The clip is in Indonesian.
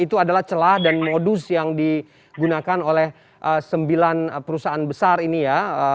itu adalah celah dan modus yang digunakan oleh sembilan perusahaan besar ini ya